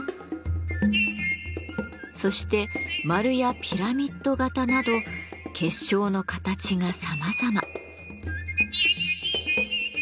そして丸やピラミッド形など結晶の形がさまざま。